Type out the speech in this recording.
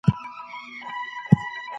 ابن خلدون د ژوند د شرایطو په اړه څه وايي؟